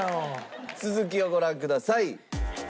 続きをご覧ください。